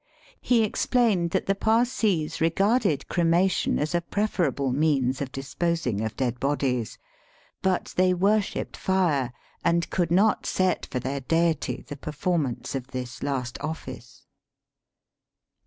He explained that the Parsees regarded cremation as a preferable means of disposing of dead bodies ; but they worshipped fire, and could not set for their deity the performance of this last ofl&ce.